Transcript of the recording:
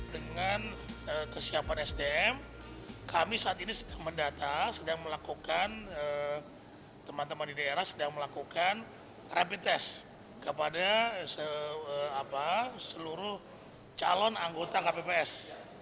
dengan kesiapan sdm kami saat ini sedang mendata sedang melakukan teman teman di daerah sedang melakukan rapid test kepada seluruh calon anggota kpps